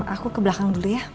aku ke belakang dulu ya